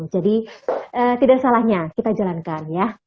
jadi tidak salahnya kita jalankan ya